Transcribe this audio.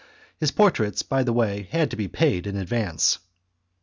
His portraits, by the way, had to be paid for in advance.